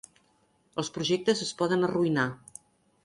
Els projectes es poden arruïnar